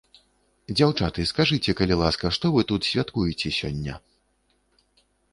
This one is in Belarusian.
Дзяўчаты, скажыце, калі ласка, што вы тут святкуеце сёння?